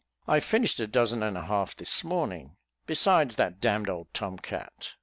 I finished a dozen and a half this morning, besides that d d old tom cat."